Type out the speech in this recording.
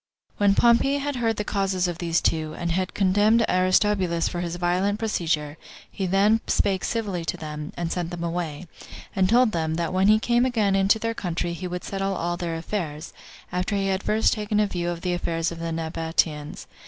3. When Pompey had heard the causes of these two, and had condemned Aristobulus for his violent procedure, he then spake civilly to them, and sent them away; and told them, that when he came again into their country, he would settle all their affairs, after he had first taken a view of the affairs of the Nabateans.